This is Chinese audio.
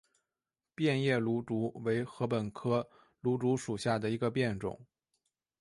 变叶芦竹为禾本科芦竹属下的一个变种。